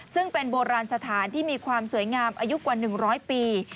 ซึ่งเป็นโบราณสถานที่มีความสวยงามอายุกว่า๑๐๐ปี